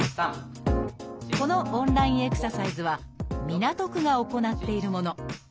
このオンラインエクササイズは港区が行っているもの。